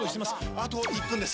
あと１分です。